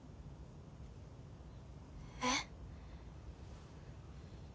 えっ？